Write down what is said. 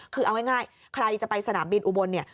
คือเอาง่ายใครจะไปสนามบินอุบลเนี่ย